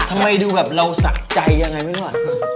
ทำไมดูแบบเราสะใจยังไงไม่รู้อ่ะ